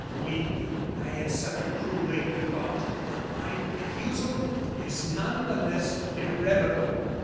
Believe me, I have suffered cruelly at the thought; but my refusal is none the less irrevocable.